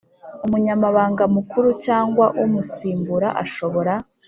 umunyamabanga mukuru cyangwa umusimbura ashobora,